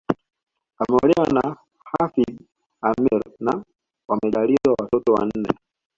Ameolewa na Hafidh Ameir na wamejaaliwa watoto wanne